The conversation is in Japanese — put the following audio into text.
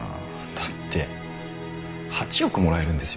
だって８億もらえるんですよ。